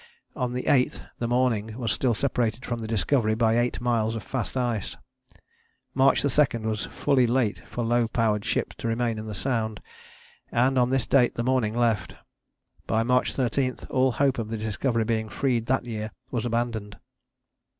On the 8th the Morning was still separated from the Discovery by eight miles of fast ice. March 2 was fully late for a low powered ship to remain in the Sound, and on this date the Morning left. By March 13 all hope of the Discovery being freed that year was abandoned.